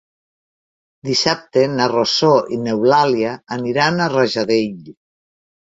Dissabte na Rosó i n'Eulàlia aniran a Rajadell.